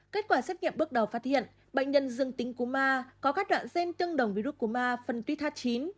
kết quả xét nghiệm bước đầu phát hiện bệnh nhân dương tính cú ma có các đoạn gen tương đồng virus cú ma phân tuy h chín